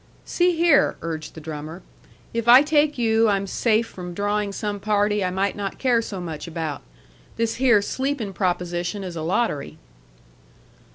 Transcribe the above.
"See here," urged the drummer, "if I take you I'm safe from drawing some party I might not care so much about. This here sleeping proposition is a lottery."